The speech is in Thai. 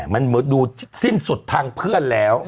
มันดูสิ้นสุดทางเพื่อนแล้ว